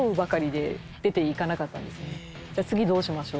じゃあ次どうしましょう？